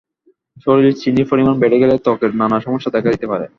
শরীরে চিনির পরিমাণ বেড়ে গেলে ত্বকের নানা সমস্যা দেখা দিতে পারে।